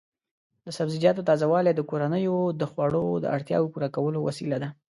د سبزیجاتو تازه والي د کورنیو د خوړو د اړتیا پوره کولو وسیله ده.